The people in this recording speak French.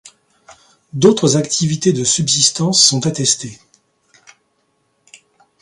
D'autres activités de subsistance sont attestées.